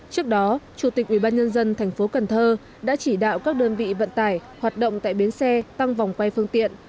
trước đó chủ tịch ubnd tp cần thơ đã chỉ đạo các đơn vị vận tải hoạt động tại bến xe tăng vòng quay phương tiện